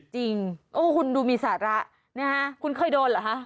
จริงโอ้คุณดูมีสาระนะฮะคุณเคยโดนเหรอคะ